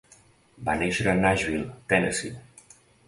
Va néixer a Nashville, Tennessee.